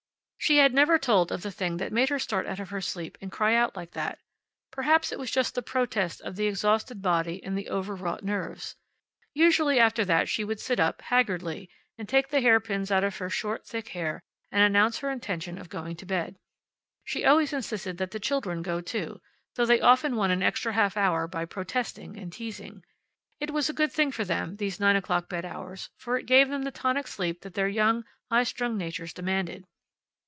She had never told of the thing that made her start out of her sleep and cry out like that. Perhaps it was just the protest of the exhausted body and the overwrought nerves. Usually, after that, she would sit up, haggardly, and take the hairpins out of her short thick hair, and announce her intention of going to bed. She always insisted that the children go too, though they often won an extra half hour by protesting and teasing. It was a good thing for them, these nine o'clock bed hours, for it gave them the tonic sleep that their young, high strung natures demanded.